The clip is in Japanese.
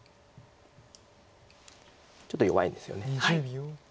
ちょっと弱いんですよね。